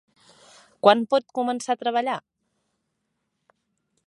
Quan pot començar a treballar?